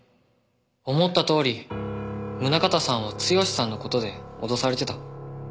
思ったとおり宗方さんは剛史さんの事で脅されてた。